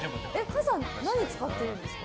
傘、何使ってるんですか？